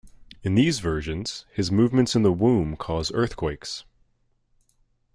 In these versions, his movements in the womb cause earthquakes.